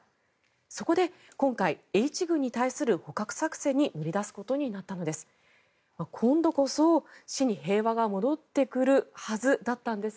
そこで、今回Ｈ群に対する捕獲作戦に乗り出すことになったのです。